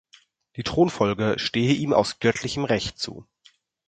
Die Thronfolge stehe ihm aus göttlichem Recht zu.